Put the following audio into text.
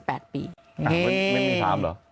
ไม่มีถามเหรอ